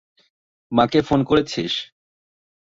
মাকে ফোন করেছিস?